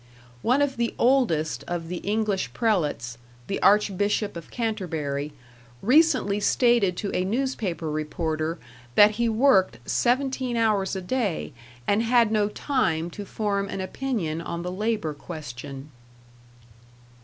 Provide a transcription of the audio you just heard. One of the oldest of the English prelates, the Archbishop of Canterbury, recently stated to a newspaper reporter that he worked seventeen hours a day, and had no time to form an opinion on the labor question.